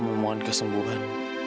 amira kamu mau kesembuhan